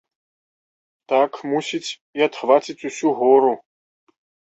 Так, мусіць, і адхвацяць усю гору.